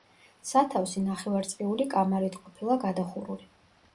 სათავსი ნახევარწრიული კამარით ყოფილა გადახურული.